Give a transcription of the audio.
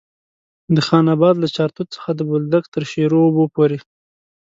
د خان اباد له چارتوت څخه د بولدک تر شیرو اوبو پورې.